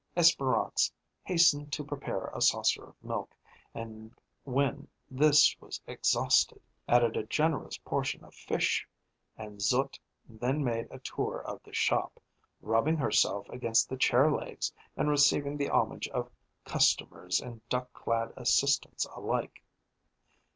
Espérance hastened to prepare a saucer of milk, and, when this was exhausted, added a generous portion of fish, and Zut then made a tour of the shop, rubbing herself against the chair legs, and receiving the homage of customers and duck clad assistants alike.